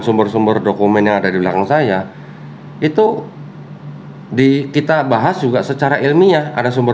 sumber sumber dokumen yang ada di belakang saya itu di kita bahas juga secara ilmiah ada sumber